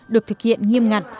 được thực hiện nghiêm ngặt